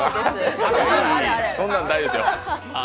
そんなん大丈夫ですよ。